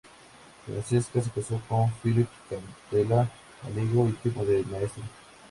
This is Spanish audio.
Francesca se casó con Felip Capdevila, amigo íntimo del maestro.